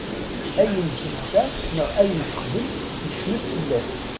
Ayen telsa neɣ ayen texdem yecmet fell-as.